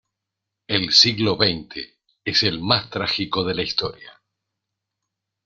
El siglo veinte es el más trágico de la historia.